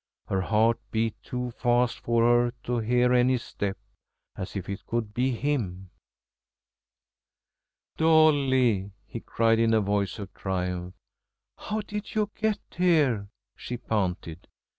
Her heart beat too fast for her to hear any step. As if it could be him! "Dolly!" he cried, in a voice of triumph. "How did you get here?" she panted.